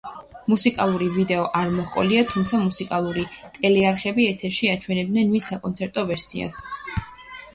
სინგლის გამოცემას მუსიკალური ვიდეო არ მოჰყოლია, თუმცა მუსიკალური ტელეარხები ეთერში აჩვენებდნენ მის საკონცერტო ვერსიას.